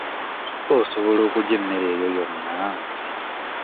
Osobola okulya emmere eyo yonna?